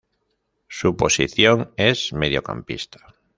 Su posición es mediocampista.